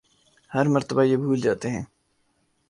ہر مرتبہ یہ بھول جاتے ہیں